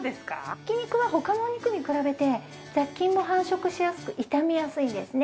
ひき肉は他のお肉に比べて雑菌も繁殖しやすく傷みやすいんですね。